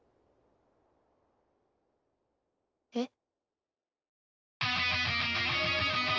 えっ？